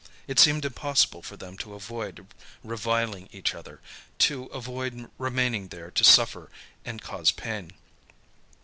It seemed impossible for them to avoid reviling each other, to avoid remaining there to suffer and cause pain.